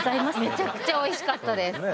めちゃくちゃおいしかったです。